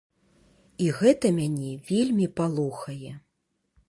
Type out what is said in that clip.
І гэта мяне вельмі палохае.